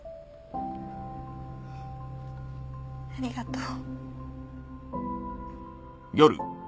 ありがとう。